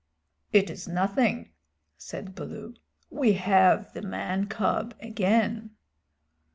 "It is nothing," said Baloo; "we have the man cub again."